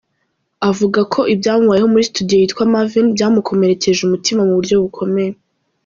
Avuga ko ibyamubayeho muri Studio yitwa Mavin, byamukomerekeje umutima mu buryo bukomeye.